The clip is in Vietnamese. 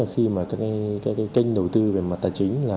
khi mà các kênh đầu tư về mặt tài chính là